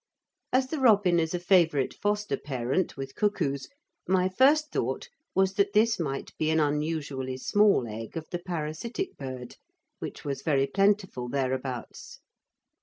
As the robin is a favourite foster parent with cuckoos, my first thought was that this might be an unusually small egg of the parasitic bird, which was very plentiful thereabouts.